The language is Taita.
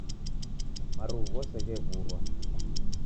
Marughu ghose ghewurwa